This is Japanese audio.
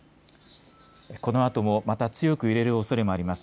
このあともまた強く揺れるおそれもあります。